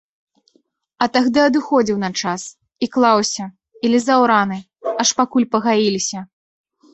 А тагды адыходзіў на час, і клаўся, і лізаў раны, аж пакуль пагаіліся.